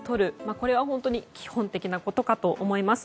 これは本当に基本的なことかと思います。